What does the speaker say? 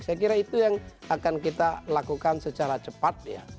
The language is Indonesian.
saya kira itu yang akan kita lakukan secara cepat